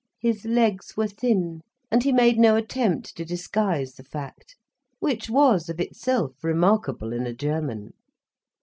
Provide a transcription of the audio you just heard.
His legs were thin, and he made no attempt to disguise the fact: which was of itself remarkable, in a German.